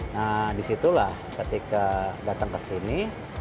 nah disitulah ketika datang kesini